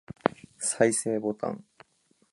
再生ボタン